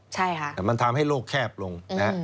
ใช่ค่ะมันทำให้โลกแคบลง